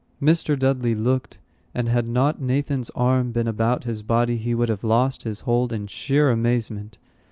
Mr. Dudley looked, and had not Nathan's arm been about his body he would have lost his hold, in sheer amazement.